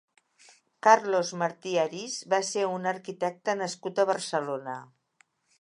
Carlos Martí Arís va ser un arquitecte nascut a Barcelona.